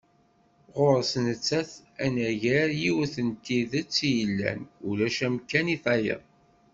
Ɣur-s nettat, anagar yiwet n tidet i yellan, ulac amkan i tayeḍ.